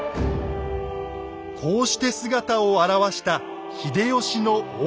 こうして姿を現した秀吉の大坂城。